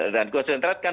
dan konsentrat kan